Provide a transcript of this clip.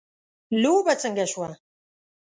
لوبه څنګه شوه .